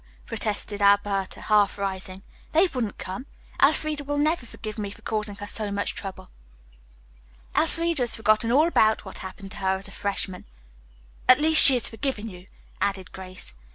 protested Alberta, half rising. "They wouldn't come. Elfreda will never forgive me for causing her so much trouble." "Elfreda has forgotten all about what happened to her as a freshman. At least she has forgiven you," added Grace.